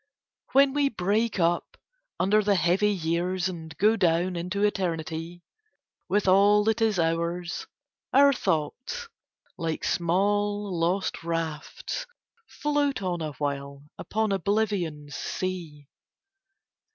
When we break up under the heavy years and go down into eternity with all that is ours our thoughts like small lost rafts float on awhile upon Oblivion's sea.